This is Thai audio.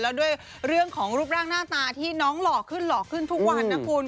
แล้วด้วยเรื่องของรูปร่างหน้าตาที่น้องหล่อขึ้นหล่อขึ้นทุกวันนะคุณ